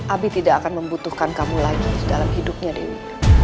abi tidak akan membutuhkan kamu lagi dalam hidupnya dewi